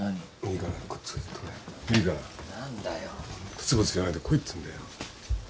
ぶつぶつ言わないで来いっつうんだよ。